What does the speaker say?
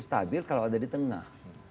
stabil kalau ada di tengah